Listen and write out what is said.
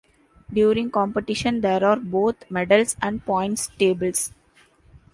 During competition, there are both medals and points tables.